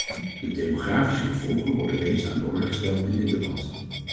De demografische gevolgen werden reeds aan de orde gesteld in dit debat.